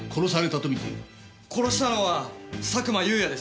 殺したのは佐久間有也ですね！